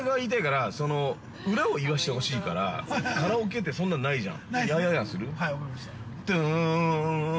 裏を言わせてほしいから、カラオケってそんなんないじゃん。